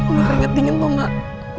gue keringat dingin tau gak